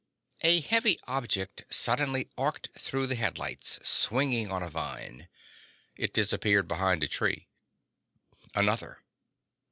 A heavy object suddenly arced through the headlights, swinging on a vine. It disappeared behind a tree. Another.